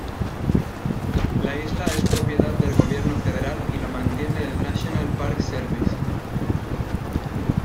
La isla es propiedad del gobierno federal y lo mantiene el National Park Service.